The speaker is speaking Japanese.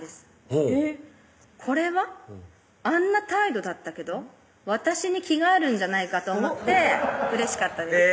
ほうこれはあんな態度だったけど私に気があるんじゃないかと思ってうれしかったです